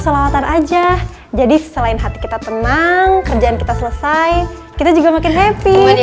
salawatan aja jadi selain hati kita tenang kerjaan kita selesai kita juga makin happy